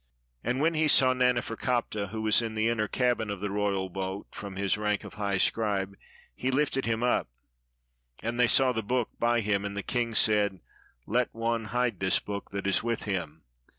And when he saw 54 THE MAGIC BOOK Naneferkaptah, who was in the inner cabin of the royal boat — from his rank of high scribe — he Hfted him up. And they saw the book by him; and the king said, "Let one hide this book that is with him."